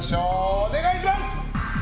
お願いします！